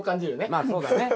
まあそうだね。